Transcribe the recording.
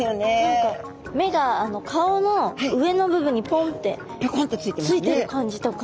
目が顔の上の部分にぽんってついている感じとか。